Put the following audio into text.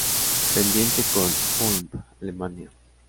Pendiente con Ulm, Alemania.